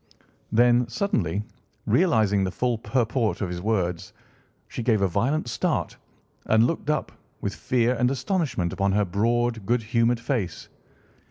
Then, suddenly realising the full purport of his words, she gave a violent start and looked up, with fear and astonishment upon her broad, good humoured face.